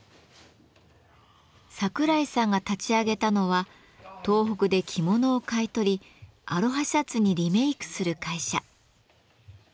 櫻井さんが立ち上げたのは東北で着物を買い取りアロハシャツにリメイクする会社。